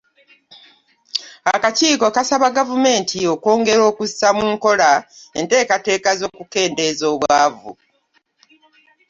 Akakiiko kasaba Gavumenti okwongera okussa mu nkola enteekateeka z’okukendeeza obwavu.